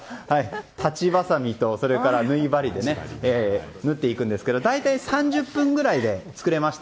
裁ちばさみと、縫い針で縫っていくんですけど大体３０分ぐらいで作れました。